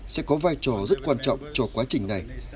sẽ có vai trò rất quan trọng cho quá trình này